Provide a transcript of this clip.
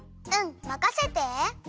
うんまかせて！